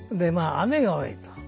雨が多い。